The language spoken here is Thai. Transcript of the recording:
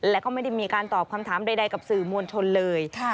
และก็ไม่ได้มีการตอบคำถามใดกับสื่อมวลชนเลย